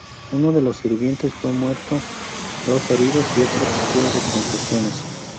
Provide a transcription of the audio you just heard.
Uno de los sirvientes fue muerto, dos heridos y otro sufrió de contusiones.